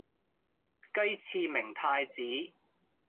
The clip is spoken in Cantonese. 雞翅明太子